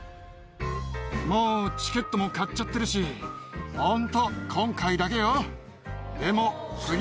もうチケットも買っちゃってるし、本当、今回だけよ。